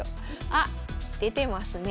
あっ出てますね。